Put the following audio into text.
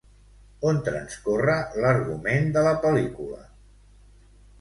On transcorre l'argument de la pel·lícula?